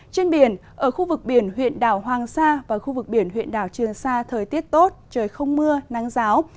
trên biển ở khu vực biển huyện đảo hoàng sa và khu vực biển huyện đảo trường sa thời tiết tốt trời không mưa nắng giáo